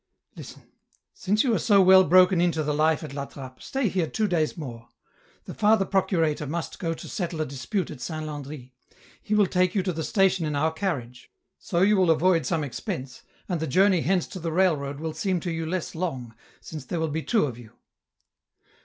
..."" Listen, since you are so well broken in to the life at La Trappe, stay here two days more. The Father procurator must go to settle a dispute at Saint Landry. He will take you to the station in our carriage. So you will avoid some expense, and the journey hence to the railroad will seem to you less long, since there will be two of you."